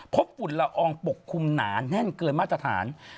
เพราะฝุ่นระวังปกคุมหนาแน่นเกินมาตรฐาน